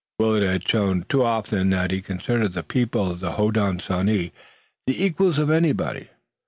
Willet had shown too often that he considered the people of the Hodenosaunee the equals of anybody.